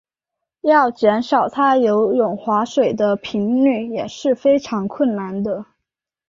要减少他游泳划水的频率也是非常困难的。